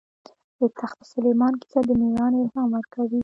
د تخت سلیمان کیسه د مېړانې الهام ورکوي.